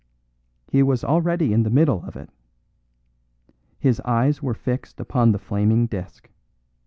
He was already in the middle of it; his eyes were fixed upon the flaming disc.